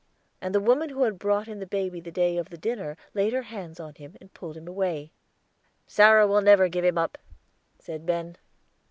and the woman who had brought in the baby the day of the dinner laid her hands on him and pulled him away. "Sarah will never give him up," said Ben.